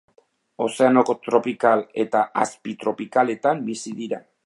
Ozeano tropikal eta azpitropikaletan bizi dira.